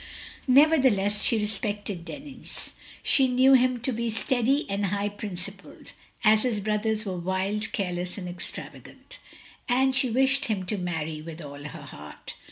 Nevertheless she respected Denis; she knew him to be steady and high principled, as his brothers were wild, careless, and extravagant; and she wished him to marry, with all her heart.